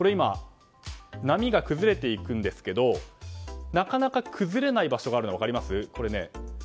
波が崩れていくんですけどなかなか崩れない場所があるのが分かりますか。